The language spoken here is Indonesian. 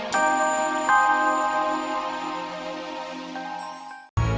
kenapa satu hari